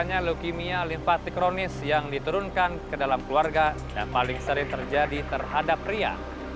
neleukimia linfatikronis yang diturunkan ke dalam keluarga yang paling sering terjadi terhadap pria